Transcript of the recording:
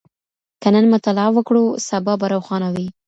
که نن مطالعه وکړو سبا به روښانه وي.